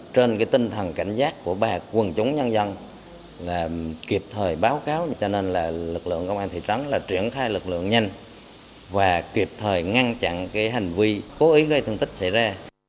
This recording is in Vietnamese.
trên tinh thần cảnh giác của bà quân chúng nhân dân là kịp thời báo cáo cho nên là lực lượng công an thị trấn là triển khai lực lượng nhanh và kịp thời ngăn chặn hành vi cố ý gây thương tích xảy ra